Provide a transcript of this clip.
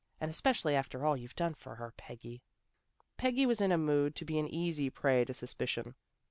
And especially after all you've done for her, Peggy." Peggy was in a mood to be an easy prey to suspicion.